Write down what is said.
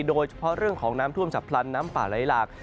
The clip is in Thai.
โดยเฉพาะเรื่องของน้ำท่วมฉับพลันน้ำป่าไหลหลาก